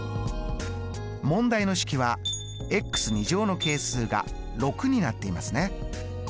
問題の式はの係数が６になっていますね。